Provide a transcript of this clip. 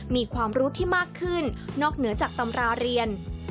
มีความรู้ที่มากขึ้นนอกเหนือจากตำราเรียน